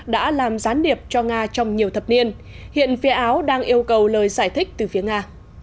đã làm gián điệp cho nga trong nhiều thập niên hiện phía áo đang yêu cầu lời giải thích từ phía nga